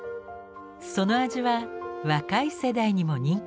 その味は若い世代にも人気です。